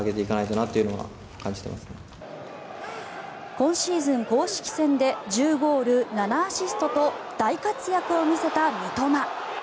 今シーズン公式戦で１０ゴール７アシストと大活躍を見せた三笘。